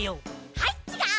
はいちがう。